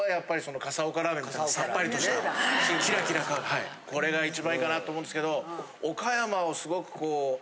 さっぱりとしたキラキラこれが一番いいかなと思うんですけど。